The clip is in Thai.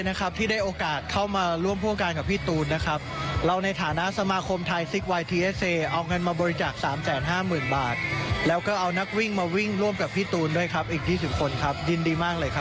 สวัสดีครับคุณค่ะเอ้าวันนี้ค่ะสมาคมมารวมบริจาคกับทางกรุงการ๙คนและ๙คนพี่ทูนยังไงบ้างคะ